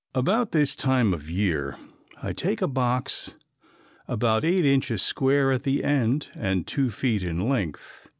About this time of year I take a box eight inches square at the end and two feet in length.